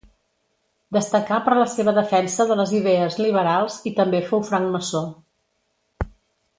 Destacà per la seva defensa de les idees liberals, i també fou francmaçó.